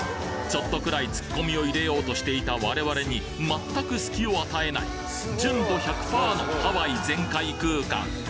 ちょっとくらいツッコミを入れようとしていた我々に全く隙を与えない純度１００パーのハワイ全開空間